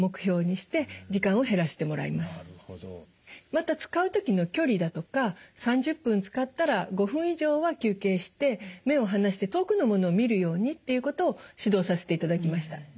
また使う時の距離だとか３０分使ったら５分以上は休憩して目を離して遠くの物を見るようにっていうことを指導させていただきました。